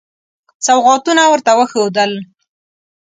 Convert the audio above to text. سوغاتونه ورته وښودل.